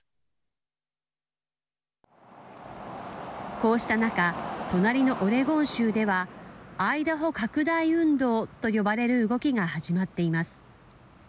こうした中隣のオレゴン州ではアイダホ拡大運動と呼ばれる動きが始まっています。